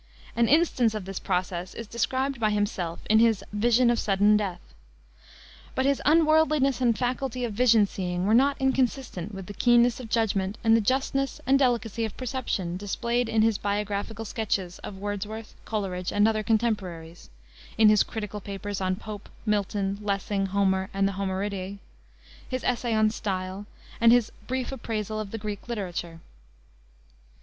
An instance of this process is described by himself in his Vision of Sudden Death. But his unworldliness and faculty of vision seeing were not inconsistent with the keenness of judgment and the justness and delicacy of perception displayed in his Biographical Sketches of Wordsworth, Coleridge, and other contemporaries: in his critical papers on Pope, Milton, Lessing, Homer and the Homeridae: his essay on Style; and his Brief Appraisal of the Greek Literature.